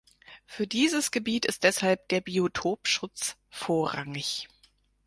Für dieses Gebiet ist deshalb der Biotopschutz vorrangig.